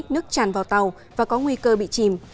nước tràn vào tàu và có nguy cơ bị chìm